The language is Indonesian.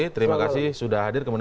terima kasih sudah hadir